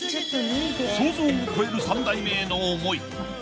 ［想像を超える三代目への思い］